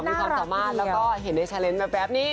มีความสามารถแล้วก็เห็นในชาเลนส์แป๊บนี่